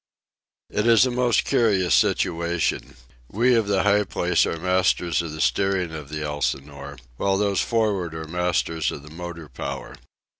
It is a most curious situation. We of the high place are masters of the steering of the Elsinore, while those for'ard are masters of the motor power.